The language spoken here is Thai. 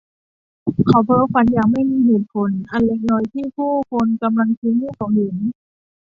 เขาเพ้อฝันอย่างไม่มีเหตุผลอันเล็กน้อยที่ผู้คนกำลังชี้ให้เขาเห็น